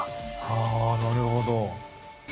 ああなるほど。